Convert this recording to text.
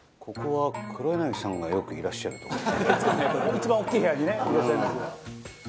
「一番大きい部屋にねいらっしゃいます」